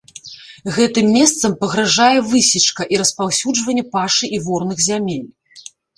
Гэтым месцам пагражае высечка і распаўсюджванне пашы і ворных зямель.